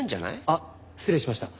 あっ失礼しました。